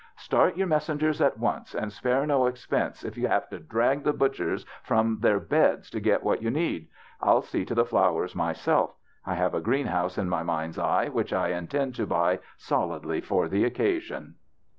"Start your messengers at once and spare no expense, if you have to drag the butchers from their beds to get what you need. I'll see to the flowers myself ; I have a greenhouse in my mind's eye which I intend to buy solidly for the occasion."